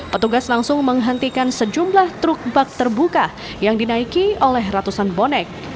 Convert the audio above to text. petugas langsung menghentikan sejumlah truk bak terbuka yang dinaiki oleh ratusan bonek